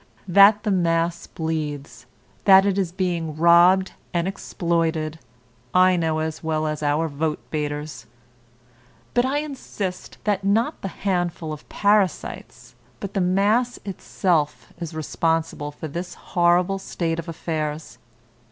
That the mass bleeds, that it is being robbed and exploited, I know as well as our vote baiters. But I insist that not the handful of parasites, but the mass itself is responsible for this horrible state of affairs.